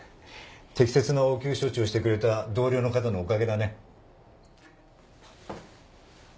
適切な応急処置をしてくれた同僚の方のおかげだね。